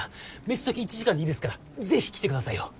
飯どき１時間でいいですから是非来てくださいよ。